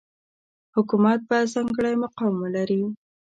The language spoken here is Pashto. حکومت به ځانګړی مقام ولري.